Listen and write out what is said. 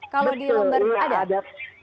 kalau di lombar ada